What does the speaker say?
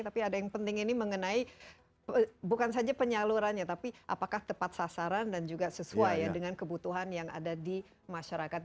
tapi ada yang penting ini mengenai bukan saja penyalurannya tapi apakah tepat sasaran dan juga sesuai ya dengan kebutuhan yang ada di masyarakat